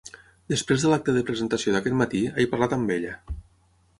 Després de l’acte de presentació d’aquest matí, he parlat amb ella.